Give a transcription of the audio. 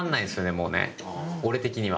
もうね俺的には。